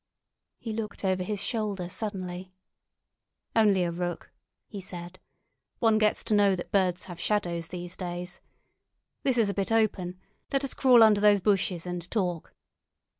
He looked over his shoulder suddenly. "Only a rook," he said. "One gets to know that birds have shadows these days. This is a bit open. Let us crawl under those bushes and talk."